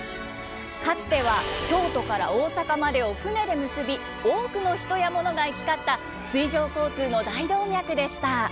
かつては京都から大阪までを船で結び多くの人や物が行き交った水上交通の大動脈でした。